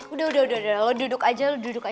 udah udah lo duduk aja